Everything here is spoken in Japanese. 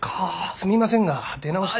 すみませんが出直して。